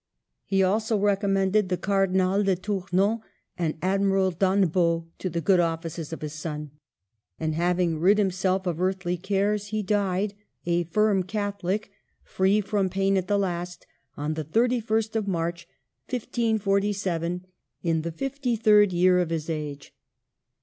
He also recom mended the Cardinal de Tournon and Admiral d'Annebaut to the good offices of his son. And having rid himself of earthly cares, he died, a firm Catholic, free from pain at the last, on the 31st of March, 1547, in the fifty third year of his age.